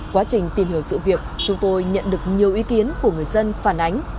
quá trình tìm hiểu sự việc chúng tôi nhận được nhiều ý kiến của người dân phản ánh